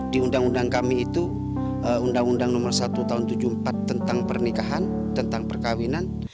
di undang undang kami itu undang undang nomor satu tahun seribu sembilan ratus tujuh puluh empat tentang pernikahan tentang perkawinan